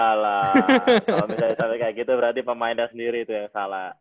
kalo misalnya sampe kayak gitu berarti pemainnya sendiri itu yang salah